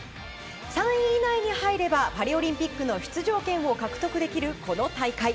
３位以内に入ればパリオリンピックの出場権を獲得できるこの大会。